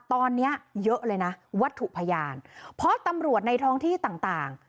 ตอนนี้เยอะเลยนะวัตถุพยานเพราะตำรวจในท้องที่ต่างต่าง